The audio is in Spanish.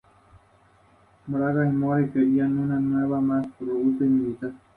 Su padre era hijo del Duque Jorge y un hermano menor del Duque Ernesto.